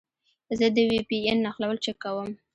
زه د وي پي این نښلون چک کوم.